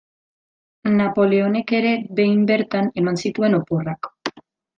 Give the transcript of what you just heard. Napoleonek ere behin bertan eman zituen oporrak.